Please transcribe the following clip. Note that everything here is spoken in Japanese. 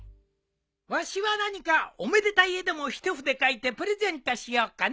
わしは何かおめでたい絵でも一筆描いてプレゼントしようかな。